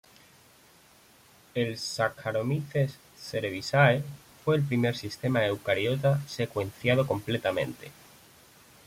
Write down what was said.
El Saccharomyces cerevisiae fue el primer sistema eucariota secuenciado completamente.